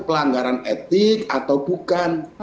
pelanggaran etik atau bukan